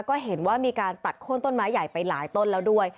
ก็เห็นว่ามีการตัดโค้นต้นไม้ใหญ่ไปหลายต้นแล้วด้วย